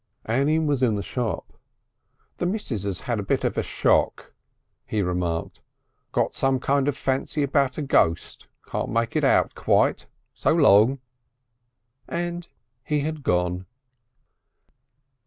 Annie was in the shop. "The missus has had a bit of a shock," he remarked. "Got some sort of fancy about a ghost. Can't make it out quite. So Long!" And he had gone.